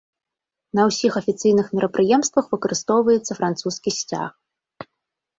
На ўсіх афіцыйных мерапрыемствах выкарыстоўваецца французскі сцяг.